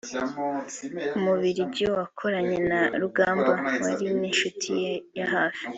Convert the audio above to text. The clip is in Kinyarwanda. Umubiligi wakoranye na Rugamba wari n’inshuiti ye ya hafi